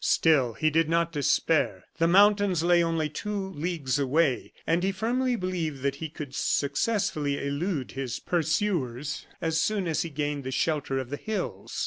Still he did not despair. The mountains lay only two leagues away; and he firmly believed that he could successfully elude his pursuers as soon as he gained the shelter of the hills.